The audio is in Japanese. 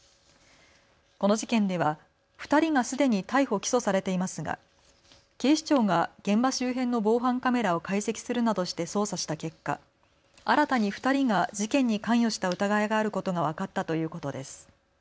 この事件では２人がすでに逮捕・起訴されていますが警視庁が現場周辺の防犯カメラを解析するなどして捜査した結果、新たに２人が事件に関与した疑いがあることが分かったということです。